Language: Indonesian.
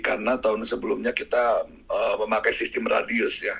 karena tahun sebelumnya kita memakai sistem radius ya